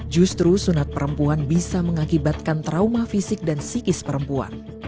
justru sunat perempuan bisa mengakibatkan trauma fisik dan psikis perempuan